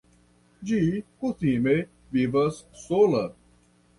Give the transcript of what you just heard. Ĝi kutime vivas sola.